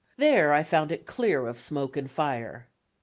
There I found it clear of smoke and fire.